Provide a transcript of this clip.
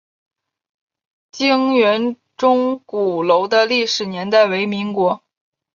靖远钟鼓楼的历史年代为民国。